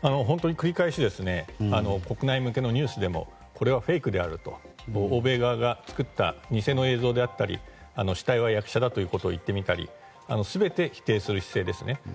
本当に繰り返し国内向けのニュースでもこれはフェイクであると欧米側が作った偽の映像だということや死体は役者だということを言ってみたり全て否定する姿勢ですね。